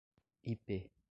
Ipê